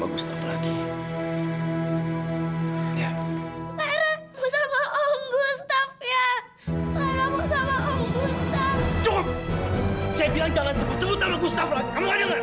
kamu itu apaan sih